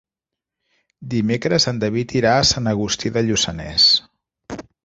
Dimecres en David irà a Sant Agustí de Lluçanès.